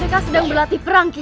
mereka sedang berlatih perang ki